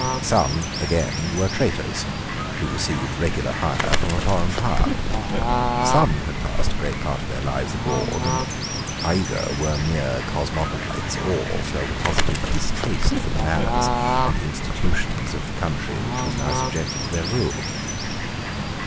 Some, again, were traitors, who received regular hire from a foreign power. Some had passed a great part of their lives abroad, and either were mere cosmopolites, or felt a positive distaste for the manners and institutions of the country which was now subjected to their rule.